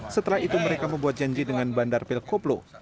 setelah itu mereka membuat janji dengan bandar pil koplo